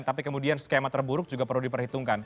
tapi kemudian skema terburuk juga perlu diperhitungkan